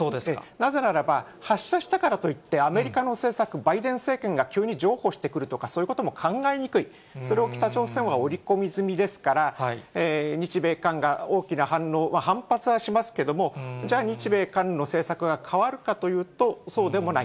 なぜならば、発射したからといって、アメリカの政策、バイデン政権が急に譲歩してくるとか、そういうことも考えにくい、それを北朝鮮は織り込み済みですから、日米韓が大きな反応、反発はしますけども、じゃあ、日米韓の政策が変わるかというと、そうでもない。